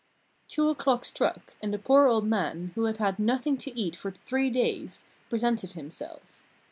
Two o'clock struck, and the poor old man, who had had nothing to eat for three days, presented himself.